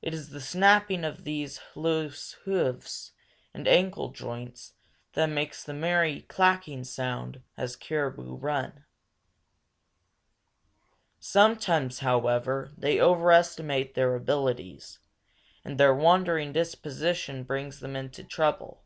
It is the snapping of these loose hoofs and ankle joints that makes the merry clacking sound as caribou run. Sometimes, however, they overestimate their abilities, and their wandering disposition brings them into trouble.